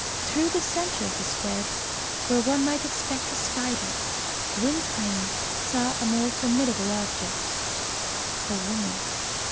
Through the centre of this web, where one might expect a spider, Gwynplaine saw a more formidable object a woman.